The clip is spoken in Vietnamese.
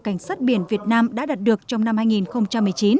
cảnh sát biển việt nam đã đạt được trong năm hai nghìn một mươi chín